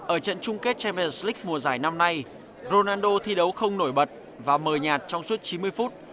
ở trận chung kết champion slic mùa giải năm nay ronaldo thi đấu không nổi bật và mờ nhạt trong suốt chín mươi phút